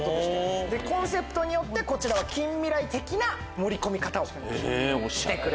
コンセプトによって近未来的な盛り込み方をしてる。